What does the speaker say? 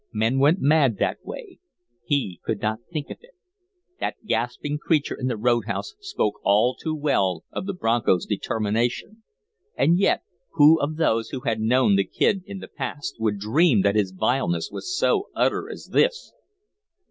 Men went mad that way. He could not think of it. That gasping creature in the road house spoke all too well of the Bronco's determination. And yet, who of those who had known the Kid in the past would dream that his vileness was so utter as this?